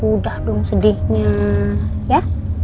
sudah dong sedihnya ya